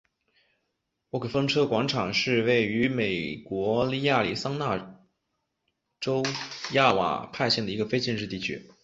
沃克风车广场是位于美国亚利桑那州亚瓦派县的一个非建制地区。